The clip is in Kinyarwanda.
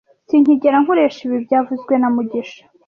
Sinkigera nkoresha ibi byavuzwe na mugisha